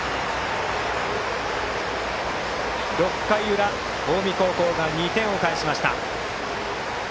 ６回裏、近江高校が２点を返しました。